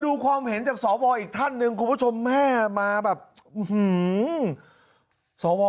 ความเห็นจากสวอีกท่านหนึ่งคุณผู้ชมแม่มาแบบสว